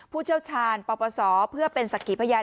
เชี่ยวชาญปปศเพื่อเป็นสักขีพยาน